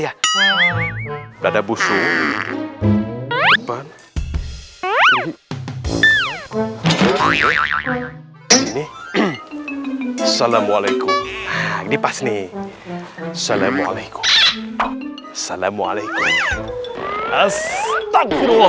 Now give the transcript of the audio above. hai dada busuk depan ini salamualaikum dipas nih salamualaikum salamualaikum